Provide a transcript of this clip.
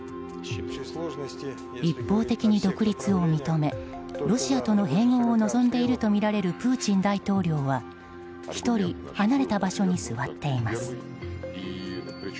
一方的に独立を認めロシアとの併合を望んでいるとみられるプーチン大統領は１人離れた場所に座っています。